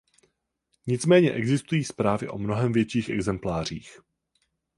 Nicméně existují zprávy o mnohem větších exemplářích.